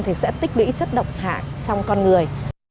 thì sẽ tích lũy chất độc hại trong con người